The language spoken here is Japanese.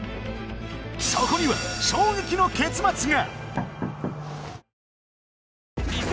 そこには衝撃の結末が！